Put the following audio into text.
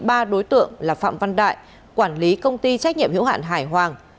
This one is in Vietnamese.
ba đối tượng là phạm văn đại quản lý công ty trách nhiệm hữu hạn hải hoàng